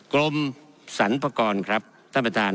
กรมสรรพากรครับท่านประธาน